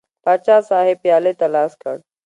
پاچا صاحب پیالې ته لاس کړ.